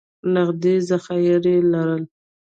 نغدي ذخایر یې لرل.